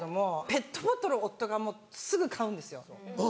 ペットボトルを夫がもうすぐ買うんですよ。